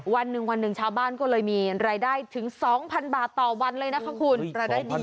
วันหนึ่งวันหนึ่งชาวบ้านก็เลยมีรายได้ถึง๒๐๐๐บาทต่อวันเลยนะคะคุณรายได้ดี